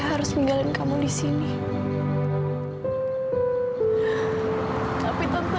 sampai jumpa di video selanjutnya